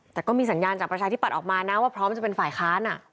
แต่ก็มีสัญญาณจากประชาธิปัตย์ออกมานะว่าพร้อมจะเป็นฝ่ายค้าน